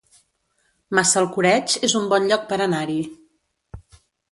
Massalcoreig es un bon lloc per anar-hi